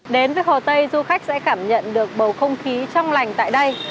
đến với hồ tây du khách sẽ cảm nhận được bầu không khí trong lành tại đây